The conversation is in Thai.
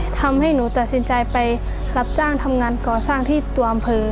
ทำให้หนูตัดสินใจไปรับจ้างทำงานก่อสร้างที่ตัวอำเภอ